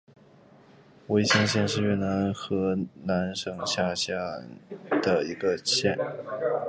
维先县是越南河南省下辖的一个县。